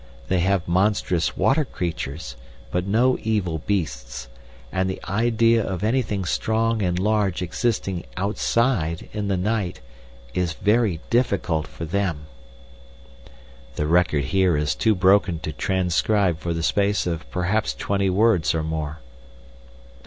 They have monstrous water creatures, but no evil beasts, and the idea of anything strong and large existing 'outside' in the night is very difficult for them...." [The record is here too broken to transcribe for the space of perhaps twenty words or more.